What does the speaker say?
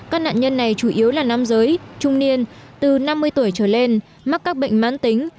các nạn nhân này chủ yếu là nam giới trung niên từ năm mươi tuổi trở lên mắc các bệnh mãn tính